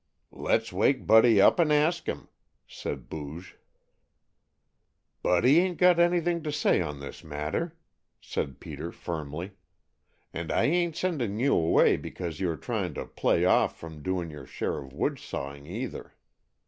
"Let's wake Buddy up and ask him," said Booge. "Buddy ain't got anything to say on this matter," said Peter firmly. "And I ain't sending you away because you are trying to play off from doing your share of wood sawing, neither.